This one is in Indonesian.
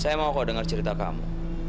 saya mau kok dengar cerita kamu